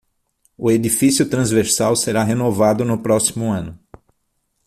O edifício transversal será renovado no próximo ano